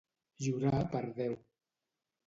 Jurar per Déu.